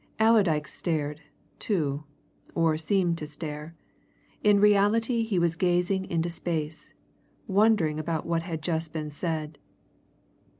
Allerdyke stared, too, or seemed to stare. In reality, he was gazing into space, wondering about what had just been said.